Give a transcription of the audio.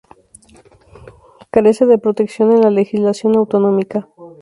Carece de protección en la legislación autonómica.